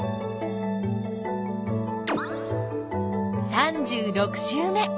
３６週目。